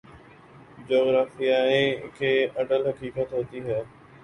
جغرافیے کی اٹل حقیقت ہوتی ہے۔